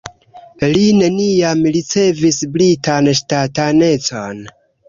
Li neniam ricevis britan ŝtatanecon.